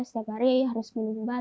setiap hari harus minum obat